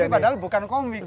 tapi padahal bukan komik